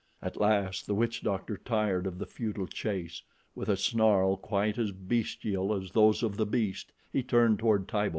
At last the witch doctor tired of the futile chase. With a snarl quite as bestial as those of the beast, he turned toward Tibo.